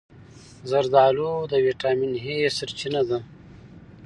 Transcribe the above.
زردآلو د ویټامین A ښه سرچینه ده.